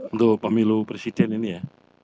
untuk pemilu presiden ini ya